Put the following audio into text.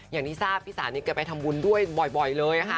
อย่างที่ทราบพี่สานิทแกไปทำบุญด้วยบ่อยเลยค่ะ